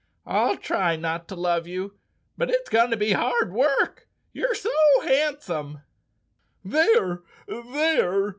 "I'll try not to love you, but it's going to be hard work, you're so handsome." "ThereI There!"